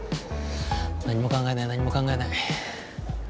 何も考えない何も考えない。